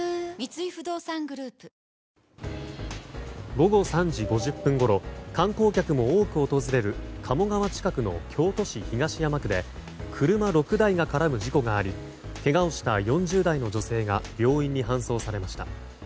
午後３時５０分ごろ観光客も多く訪れる鴨川近くの京都市東山区で車６台が絡む事故がありけがをした４０代の女性が病院に搬送されました。